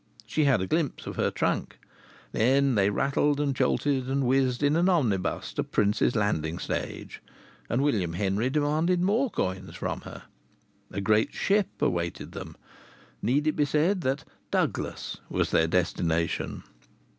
She had a glimpse of her trunk. Then they rattled and jolted and whizzed in an omnibus to Prince's Landing Stage. And William Henry demanded more coins from her. A great ship awaited them. Need it be said that Douglas was their destination?